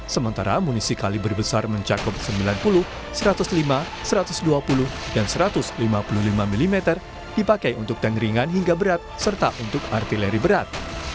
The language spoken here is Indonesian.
sementara munisi kali berbesar mencakup sembilan puluh satu ratus lima satu ratus dua puluh dan satu ratus lima puluh lima mm dipakai untuk tank ringan hingga berat serta untuk artileri berat